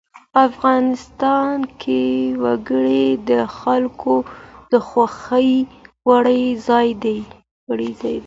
افغانستان کې وګړي د خلکو د خوښې وړ ځای دی.